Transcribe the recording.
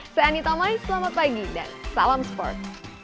saya anit omai selamat pagi dan salam sport